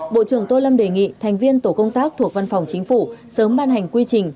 bộ trưởng tô lâm đề nghị thành viên tổ công tác thuộc văn phòng chính phủ sớm ban hành quy trình